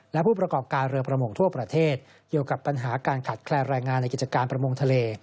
และผู้ประกอบการเรือประมงทั่วประเทศเกี่ยวกับปัญหาการขัดแคลนแรงงานในกิจการประมงทะเล